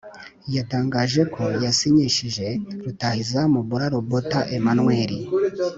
yatangaje ko yasinyishije rutahizamu bola lobota emmanuel